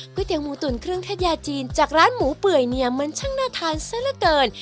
กุ๊ยเตี๋ยวหมูตุ๋นเครื่องทัชญาจีนจะร้านหมูเปื่อยเนี่ยมันคั่นหน้าทางซะระเกิน